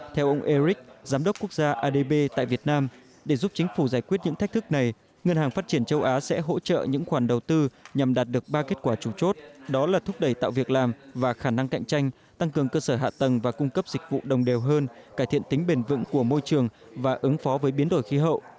theo ông eric giám đốc quốc gia adb tại việt nam để giúp chính phủ giải quyết những thách thức này ngân hàng phát triển châu á sẽ hỗ trợ những khoản đầu tư nhằm đạt được ba kết quả chủ chốt đó là thúc đẩy tạo việc làm và khả năng cạnh tranh tăng cường cơ sở hạ tầng và cung cấp dịch vụ đồng đều hơn cải thiện tính bền vững của môi trường và ứng phó với biến đổi khí hậu